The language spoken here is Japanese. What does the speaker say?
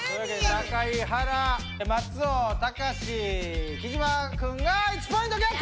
高井はら松尾たかし貴島くんが１ポイントゲット！